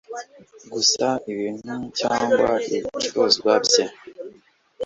gusa ibintu cyangwa ibicuruzwa bye